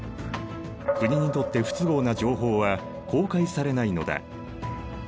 国にとって不都合な情報は公開されないのだ。